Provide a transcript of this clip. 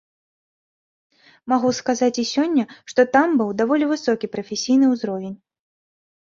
Магу сказаць і сёння, што там быў даволі высокі прафесійны ўзровень.